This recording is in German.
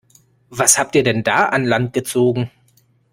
Was habt ihr denn da an Land gezogen?